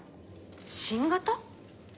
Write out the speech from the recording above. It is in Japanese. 新型？